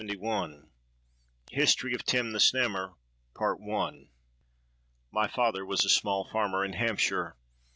THE HISTORY OF TIM THE SNAMMER. "My father was a small farmer in Hampshire.